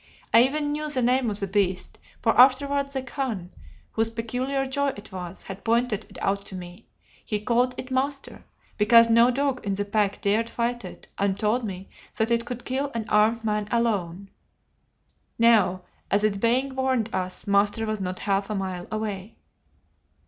I even knew the name of the beast, for afterwards the Khan, whose peculiar joy it was, had pointed it out to me. He called it Master, because no dog in the pack dared fight it, and told me that it could kill an armed man alone. Now, as its baying warned us, Master was not half a mile away!